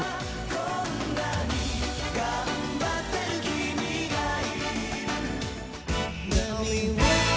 「こんなにがんばってる君がいる」